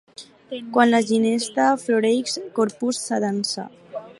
Quan la ginesta floreix, Corpus s'atansa.